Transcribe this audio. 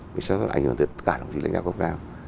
lễ sai sót ảnh hưởng tới tất cả đồng chí lãnh đạo cộng cao